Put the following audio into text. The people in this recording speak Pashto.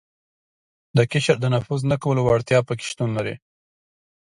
د قشر د نفوذ نه کولو وړتیا په کې شتون لري.